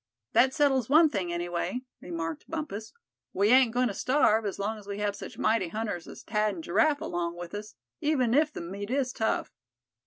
"That settles one thing, anyway," remarked Bumpus. "We ain't going to starve, as long as we have such mighty hunters as Thad and Giraffe along with us; even if the meat is tough."